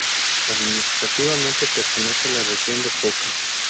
Administrativamente, pertenece a la Región de Foča.